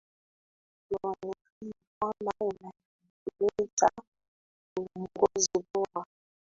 ionekane kwamba inatekeleza uongozi bora